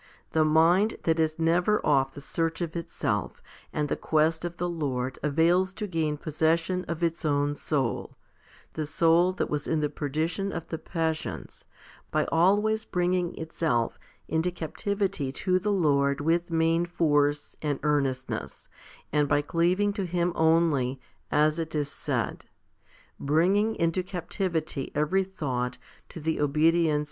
The mind that is never off the search of itself and the quest of the Lord avails to gain possession of its own soul the soul that was in the perdition of the passions by always bringing itself into captivity to the Lord with main force and earnestness, and by cleaving to Him only, as it is said, Bringing into captivity every thought to the obedience of 1 Luke xxi.